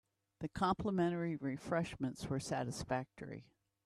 The complimentary refreshments were satisfactory.